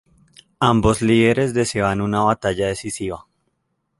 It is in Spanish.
Ambos líderes deseaban una batalla decisiva.